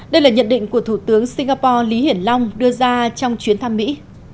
đây là nhận định của thủ tướng singapore lý hiển long đưa ra trong chuyến thăm mỹ